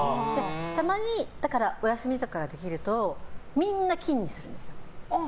たまにお休みとかができるとみんな金にするんですよ。